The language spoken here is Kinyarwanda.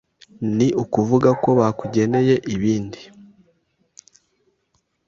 ni ukuvuga ko bakugeneye ibindi,